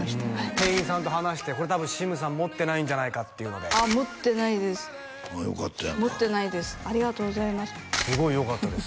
店員さんと話してこれ多分シムさん持ってないんじゃないかっていうので持ってないですよかったやんか持ってないですありがとうございますすごいよかったです